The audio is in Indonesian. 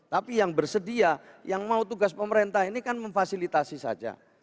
tapi yang bersedia yang mau tugas pemerintah ini kan memfasilitasi saja